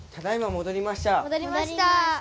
戻りました。